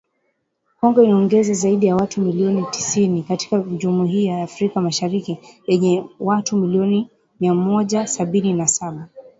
Kongo inaongeza zaidi ya watu milioni tisini katika Jumuiya ya Afrika Mashariki yenye watu milioni mia moja sabini na saba.